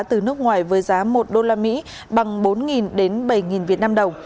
từ nước ngoài với giá một usd bằng bốn bảy vnđ